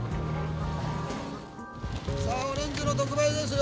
さあオレンジの特売ですよ。